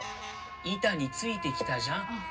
板についてきたじゃん。